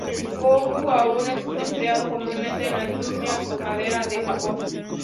El koku aún es empleado comúnmente en la industria maderera de Japón.